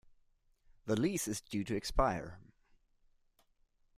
The lease is due to expire.